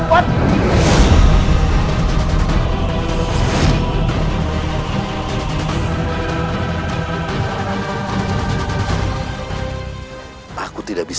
aku akan pergi ke istana yang lain